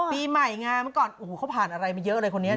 ปีใหม่เมื่อก่อนเขาผ่านอะไรมาเยอะเลยคนเนี้ย